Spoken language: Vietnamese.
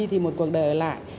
thì một cuộc đời lại